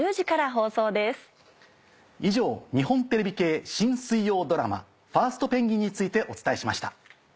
以上日本テレビ系新水曜ドラマ『ファーストペンギン！』についてお伝えしました。